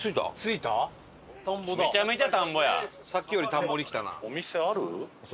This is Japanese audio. さっきより田んぼに来たな。